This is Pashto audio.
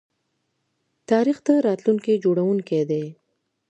تاریخ د راتلونکي جوړونکی دی.